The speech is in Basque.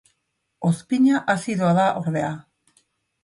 Ozpina azidoa da, ordea.